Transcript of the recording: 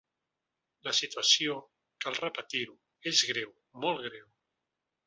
La situació, cal repetir-ho, és greu, molt greu.